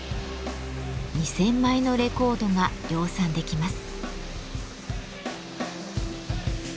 ２，０００枚のレコードが量産できます。